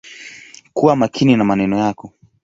Kuwa makini na maneno yako.